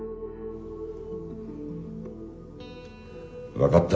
分かった。